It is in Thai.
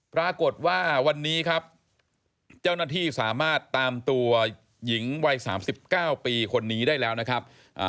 ปรากฏว่าวันนี้ครับเจ้าหน้าที่สามารถตามตัวหญิงวัย๓๙ปีคนนี้ได้แล้วนะครับ